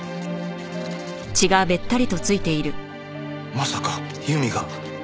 まさか由美が？